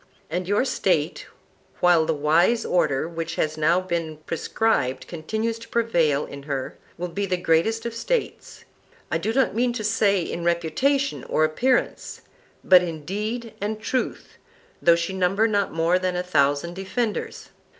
And your State, while the wise order which has now been prescribed continues to prevail in her, will be the greatest of States, I do not mean to say in reputation or appearance, but in deed and truth, though she number not more than a thousand defenders.